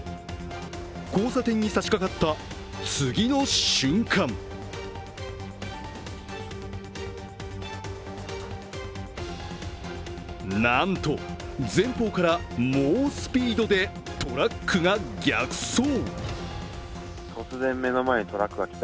交差点に差しかかった次の瞬間なんと前方から、猛スピードでトラックが逆走。